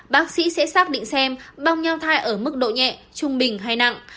bác sĩ sẽ xác định xem bong nhau thai ở mức độ nhẹ trung bình hay nặng